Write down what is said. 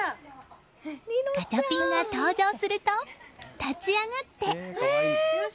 ガチャピンが登場すると立ち上がって。